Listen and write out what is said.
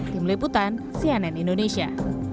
tim liputan cnn indonesia